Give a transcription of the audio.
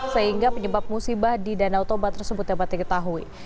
sehingga penyebab musibah di danau toba tersebut dapat diketahui